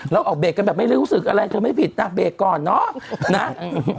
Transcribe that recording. ออกเบรกกันแบบไม่รู้สึกอะไรเธอไม่ผิดนะเบรกก่อนเนอะนะ